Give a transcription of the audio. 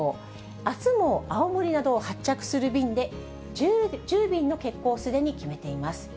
あすも青森などを発着する便で１０便の欠航、すでに決めています。